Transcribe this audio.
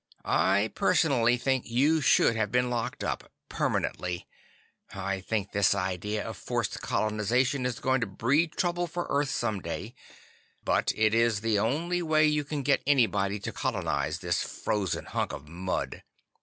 I personally think you should have been locked up—permanently. I think this idea of forced colonization is going to breed trouble for Earth someday, but it is about the only way you can get anybody to colonize this frozen hunk of mud.